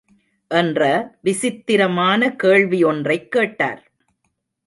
என்ற விசித்திரமான கேள்வி ஒன்றைக் கேட்டார்.